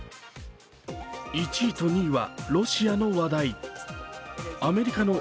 １位は２位はロシアの話題。